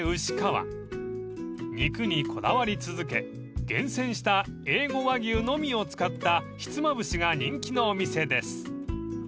［肉にこだわり続け厳選したＡ５和牛のみを使ったひつまぶしが人気のお店です］